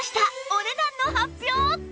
お値段の発表！